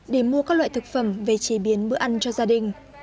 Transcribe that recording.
để mua các loại thực phẩm về chế biến bữa ăn cho gia đình